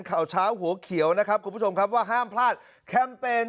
ข่าวเช้าหัวเขียวนะครับคุณผู้ชมครับว่าห้ามพลาดแคมเปญ